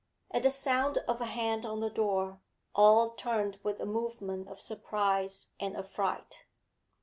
At the sound of a hand on the door all turned with a movement of surprise and affright.